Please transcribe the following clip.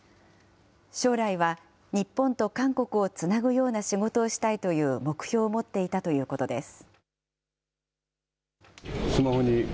将来は、日本と韓国をつなぐような仕事をしたいという目標を持っていたということです。